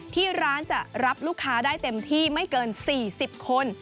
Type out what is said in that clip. ที่ร้านจะรับลูกค้าได้เต็มที่ไม่เกิน๔๐คน